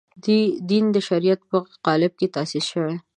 دین د شریعت په قالب کې تاسیس شوی.